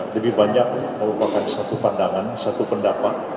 lebih banyak merupakan satu pandangan satu pendapat